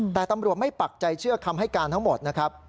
แต่ตำรวจไม่ปักใจเชื่อคำให้การทั้งหมดนะครับ